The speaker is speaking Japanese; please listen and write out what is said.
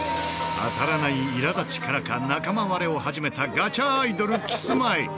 当たらないいら立ちからか仲間割れを始めたガチャアイドルキスマイ。